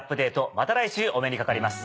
また来週お目にかかります。